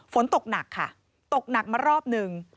ฝนตกหนักค่ะตกหนักมารอบหนึ่ง